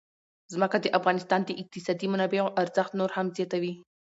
ځمکه د افغانستان د اقتصادي منابعو ارزښت نور هم زیاتوي.